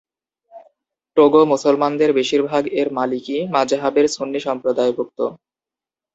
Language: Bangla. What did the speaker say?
টোগো মুসলমানদের বেশীরভাগ এর মালিকি মাজহাবের সুন্নি সম্প্রদায়ভুক্ত।